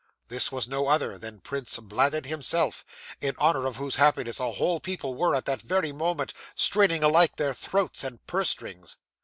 This was no other than Prince Bladud himself, in honour of whose happiness a whole people were, at that very moment, straining alike their throats and purse strings.